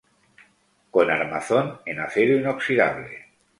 Con armazón en acero inoxidable.